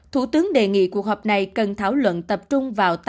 thủ tướng đề nghị cuộc họp này cần thảo luận tập trung vào